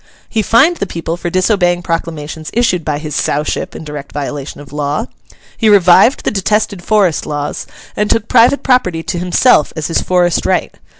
He fined the people for disobeying proclamations issued by his Sowship in direct violation of law. He revived the detested Forest laws, and took private property to himself as his forest right.